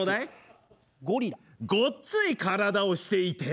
ごっつい体をしていて。